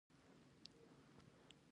تاریخ قضاوت کوي